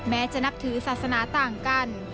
แม้จะนับถือศาสนาต่างกัน